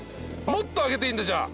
もっと上げていいんだじゃあ。